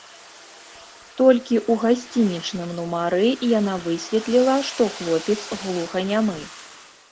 Толькі ў гасцінічным нумары яна высветліла, што хлопец глуханямы.